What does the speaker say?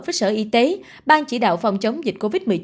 với sở y tế ban chỉ đạo phòng chống dịch covid một mươi chín